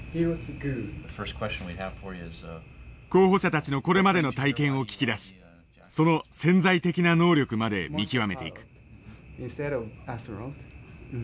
候補者たちのこれまでの体験を聞き出しその潜在的な能力まで見極めていく。